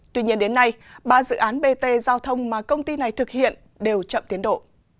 tuy nhiên đến nay ba dự án bt giao thông mà công ty này thực hiện đều chậm tiến độ